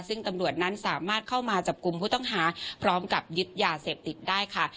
ซึ่งตำรวจนั้นสามารถเข้ามาจับกลุ่มผู้ต้องหาพร้อมกับยึดยาเสพติดได้ค่ะ